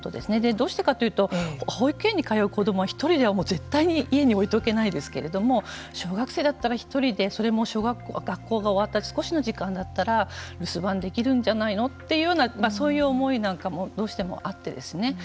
どうしてかというと保育園に通う子どもは１人では絶対に家に置いておけないですけれども小学生だったら１人でそれも学校が終わった少しの時間だったら留守番できるんじゃないのというそういう思いなんかもどうしてもあってですね